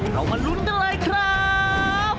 เรามาลุ้นกันเลยครับ